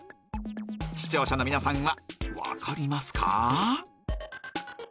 視聴者の皆さんは分かりますか？